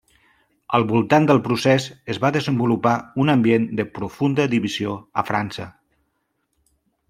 Al voltant del procés es va desenvolupar un ambient de profunda divisió a França.